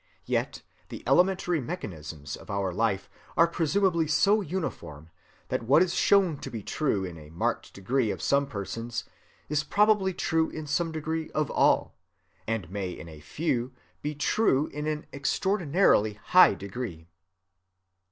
Yet the elementary mechanisms of our life are presumably so uniform that what is shown to be true in a marked degree of some persons is probably true in some degree of all, and may in a few be true in an extraordinarily high degree.